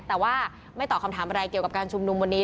แต่ว่าไม่ตอบคำถามอะไรเกี่ยวกับการชุมนุมวันนี้